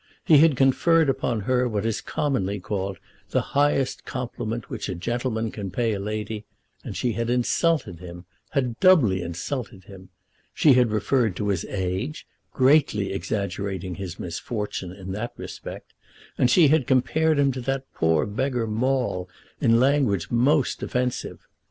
He had conferred upon her what is commonly called the highest compliment which a gentleman can pay to a lady, and she had insulted him; had doubly insulted him. She had referred to his age, greatly exaggerating his misfortune in that respect; and she had compared him to that poor beggar Maule in language most offensive.